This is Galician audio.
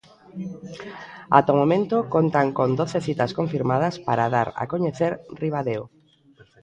Ata o momento, contan con doce citas confirmadas para dar a coñecer Ribadeo.